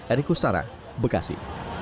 erik ustara bekasi